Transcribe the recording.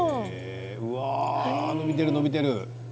うわあ、伸びてる伸びてる。